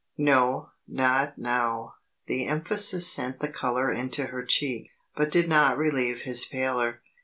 "No, not now." The emphasis sent the colour into her cheek but did not relieve his pallor.